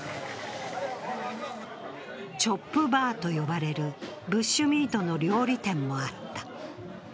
チョップ・バーと呼ばれるブッシュミートの料理店もあった。